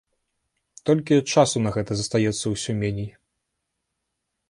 Толькі часу на гэта застаецца ўсё меней.